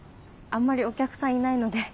あんまりお客さんいないので。